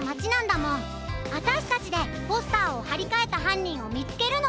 あたしたちでポスターをはりかえたはんにんをみつけるの。